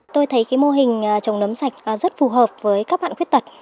tôi thấy mô hình trồng nấm sạch rất phù hợp với các bạn khuyết tật